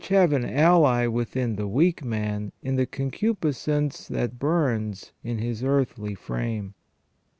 have an ally within the weak man in the concupiscence that burns in his earthly frame.